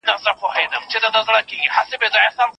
موږ باید تعصبونه له منځه یوسو.